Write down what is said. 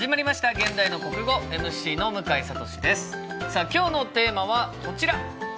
さあ今日のテーマはこちら。